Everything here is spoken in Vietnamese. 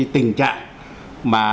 tình trạng mà